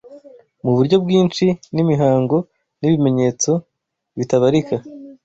mu buryo bwinshi n’imihango n’ibimenyetso bitabarika